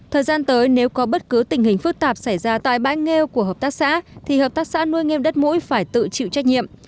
thời gian tới nếu có bất cứ tình hình phức tạp xảy ra tại bãi nghêu của hợp tác xã thì hợp tác xã nuôi nghiêm đất mũi phải tự chịu trách nhiệm